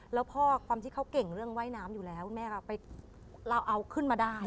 แล้วพ่อความที่เขาเก่งเรื่องว่ายน้ำอยู่แล้วคุณแม่ก็ไปเราเอาขึ้นมาได้